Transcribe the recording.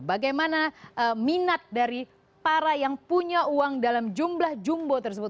bagaimana minat dari para yang punya uang dalam jumlah jumbo tersebut